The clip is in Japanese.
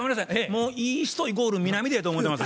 もういい人イコール南出やと思うてます。